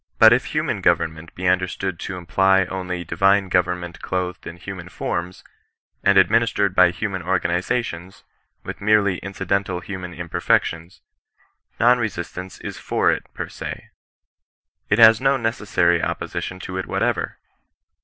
But if human government be understood to imply only divine government clothed in human forms, and Bdwinistered by human organizations, with merely in CKRISTIAN NON RESISTANCE. 165 cidental human imperfections, non resistance is for it per se. It has no necessary opposition to it whatever.